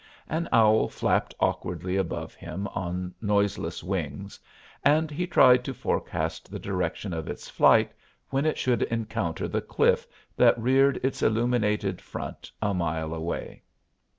An owl flapped awkwardly above him on noiseless wings, and he tried to forecast the direction of its flight when it should encounter the cliff that reared its illuminated front a mile away.